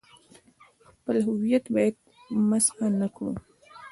خپل هویت باید مسخ نه کړو.